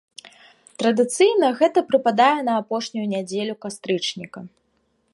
Традыцыйна гэта прыпадае на апошнюю нядзелю кастрычніка.